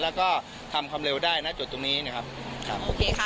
แล้วก็ทำความเร็วได้นะจุดตรงนี้นะครับครับโอเคค่ะ